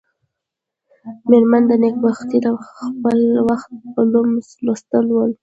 مېرمن نېکبختي د خپل وخت علوم لوستلي ول.